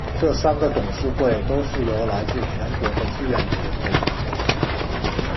这三个董事会都是由来自全国的志愿者构成的。